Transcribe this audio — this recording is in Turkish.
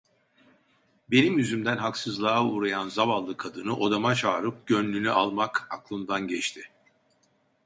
Benim yüzümden haksızlığa uğrayan zavallı kadını odama çağırıp gönlünü almak aklımdan geçti.